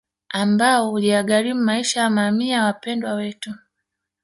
Ambao uliyagharimu maisha ya mamia ya Wapendwa Wetu